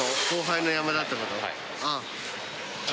ああ。